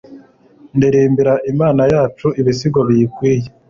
ndirimbira Imana yacu ibisingizo biyikwiye